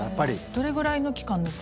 どれぐらいの期間抜く？